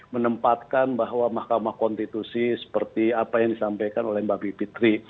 menempatkan bahwa mahkamah konstitusi seperti apa yang disampaikan oleh mbak bipitri